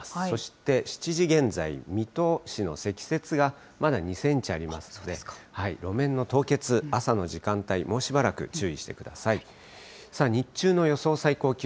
そして７時現在、水戸市の積雪がまだ２センチありますので、路面の凍結、朝の時間帯、もうしばらく注意してください。